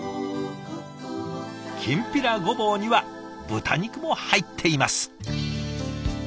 きんぴらごぼうには豚肉も入っています。